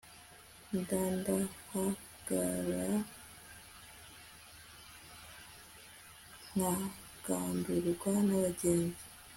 ndandahagara nkagandurwa n'abagenzi